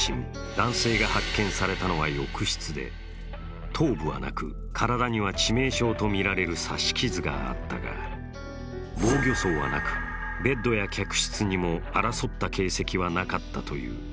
男性が発見されたのは翌日で頭部はなく体には致命傷とみられる刺し傷があったが防御創はなくベッドや客室にも争った形跡はなかったという。